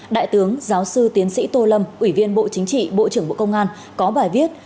đại tướng giáo sư tiến sĩ tô lâm ủy viên bộ chính trị bộ trưởng bộ công an có bài viết